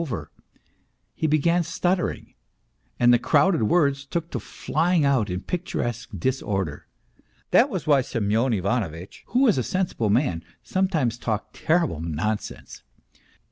PROHARTCHIN 276 he began stuttering, and the crowding words took to flying out in picturesque disorder. That was why Semyon Ivanovitch, who was a sensible man, sometimes talked terrible nonsense.